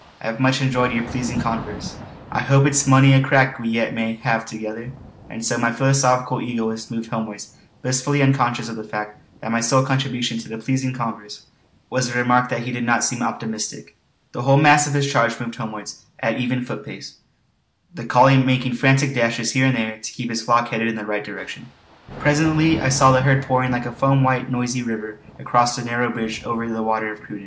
I hae much enjoyed yer pleasin' converse. I hope it's mony a crack we yet may hae thegither!" And so my philosophical egoist moved homewards, blissfully unconscious of the fact that my sole contribution to the "pleasing converse" was the remark that he did not seem optimistic. The whole mass of his charge moved homewards at an even footpace, the collie making frantic dashes here and there to keep his flock headed in the right direction. Presently I saw the herd pouring like a foam white noisy river across the narrow bridge over the Water of Cruden.